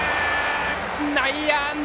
内野安打！